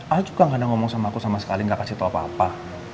ah juga gak ada ngomong sama aku sama sekali gak kasih tau apa apa